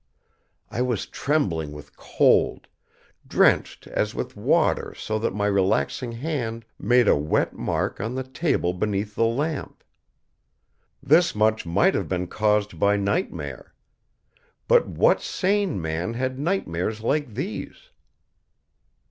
I was trembling with cold, drenched as with water so that my relaxing hand made a wet mark on the table beneath the lamp. This much might have been caused by nightmare. But what sane man had nightmares like these?